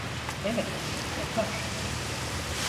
Evet, yapar.